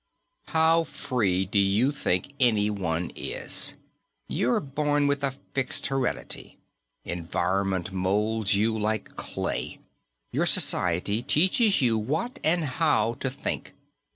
"How free do you think anyone is? You're born with a fixed heredity. Environment molds you like clay. Your society teaches you what and how to think.